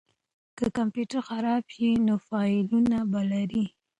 که کمپیوټر خراب شي نو فایلونه به لرئ.